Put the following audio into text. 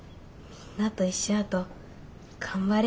みんなと一緒やと頑張れる気がして。